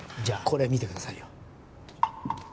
じゃあこれ見てくださいよ。